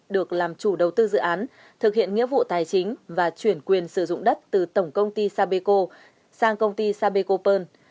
được làm chủ đầu tư dự án thực hiện nghĩa vụ tài chính và chuyển quyền sử dụng đất từ tổng công ty sapeco sang công ty sapecopearl